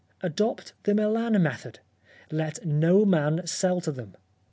Adopt the Milan method — let no man sell to them.